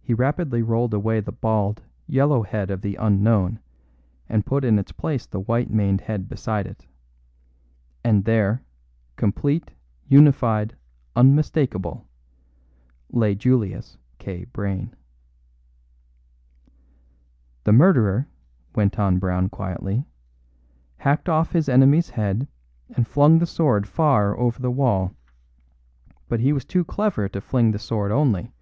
He rapidly rolled away the bald, yellow head of the unknown, and put in its place the white maned head beside it. And there, complete, unified, unmistakable, lay Julius K. Brayne. "The murderer," went on Brown quietly, "hacked off his enemy's head and flung the sword far over the wall. But he was too clever to fling the sword only.